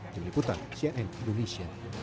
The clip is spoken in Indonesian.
diliputan cn indonesia